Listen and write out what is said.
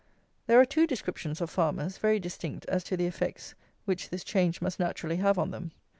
There are two descriptions of farmers, very distinct as to the effects which this change must naturally have on them.